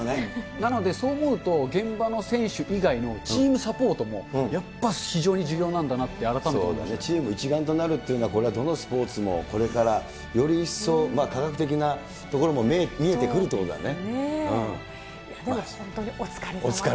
なので、そう思うと、現場の選手以外のチームサポートも、やっぱ非常に重要なんだなって、チーム一丸となるっていうのは、これはどのスポーツもこれからより一層、科学的なところも見えてくるということだね。